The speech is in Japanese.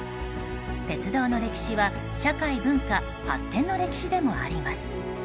鉄道の歴史は社会・文化発展の歴史でもあります。